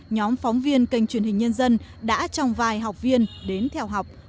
nhóm phóng viên kênh truyền hình nhân dân đã trong vài học viên đến theo học